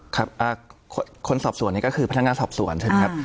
ครับคนสอบสวนนี้ก็คือพนักงานสอบสวนใช่ไหมครับ